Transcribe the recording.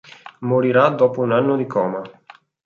Morirà dopo un anno di coma.